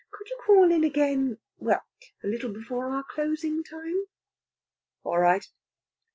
Could you call in again well, a little before our closing time?" "All right."